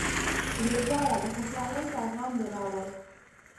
ریبراه، د خوشحالۍ پیغام دې راوړ.